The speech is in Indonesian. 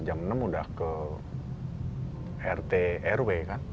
jam enam udah ke rt rw kan